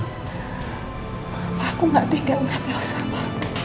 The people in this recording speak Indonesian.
ma aku gak tinggal dengan elsa ma